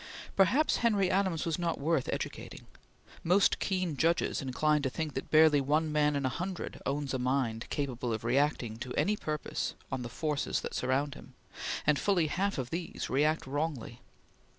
Perhaps Henry Adams was not worth educating; most keen judges incline to think that barely one man in a hundred owns a mind capable of reacting to any purpose on the forces that surround him, and fully half of these react wrongly.